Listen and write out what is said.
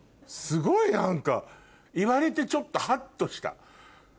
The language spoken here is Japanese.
すごい何か言われてちょっとハッとした。